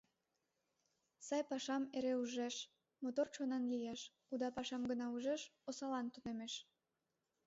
Сай пашам эре ужеш — мотор чонан лиеш, уда пашам гына ужеш — осаллан тунемеш.